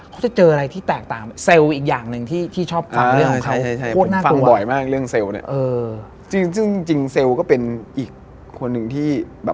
เปิดประตูห้องเข้าไปอะ